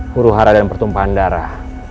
huru hara dan pertumpahan darah